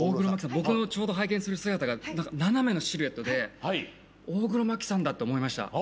僕のちょうど拝見する姿が斜めのシルエットで大黒摩季さんだって思いました。